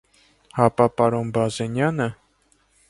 - Հապա պարոն Բազենյա՞նը: